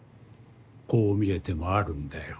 こう見えてもあるんだよ。